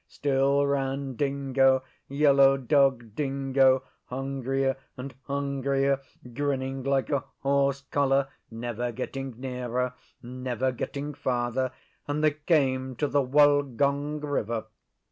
Still ran Dingo Yellow Dog Dingo hungrier and hungrier, grinning like a horse collar, never getting nearer, never getting farther; and they came to the Wollgong River.